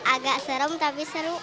agak serem tapi seru